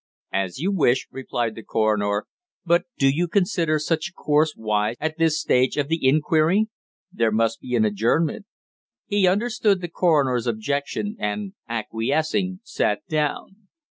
"As you wish," replied the coroner. "But do you consider such a course wise at this stage of the inquiry? There must be an adjournment." He understood the coroner's objection and, acquiescing, sat down.